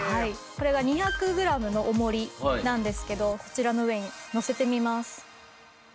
これが２００グラムの重りなんですけどこちらの上にのせてみます。